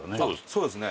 そうですね。